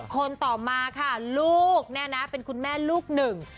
คนต่อมาค่ะลูกเนี่ยนะเป็นคุณแม่ลูกหนึ่ง